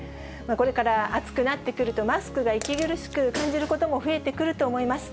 これから暑くなってくると、マスクが息苦しく感じることも増えてくると思います。